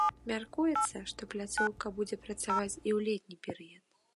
Мяркуецца, што пляцоўка будзе працаваць і ў летні перыяд.